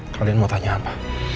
kalian mau tanya apa